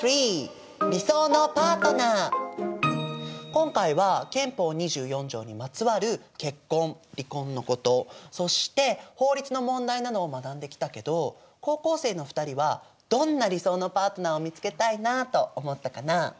今回は憲法２４条にまつわる結婚離婚のことそして法律の問題などを学んできたけど高校生の２人はどんな理想のパートナーを見つけたいなと思ったかな？